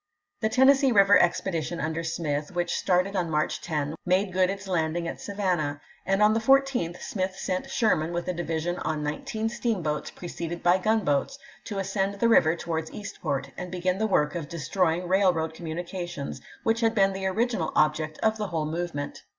The Tennessee River expedition under Smith, 1862. which started on March 10, made good its landing at Savannah, and on the 14th Smith sent Sherman with a division on nineteen steamboats, preceded by gunboats, to ascend the river towards Eastport and begin the work of destroying railroad com munications, which had been the original object of the whole movement.